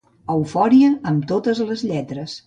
Eufòria amb totes les lletres.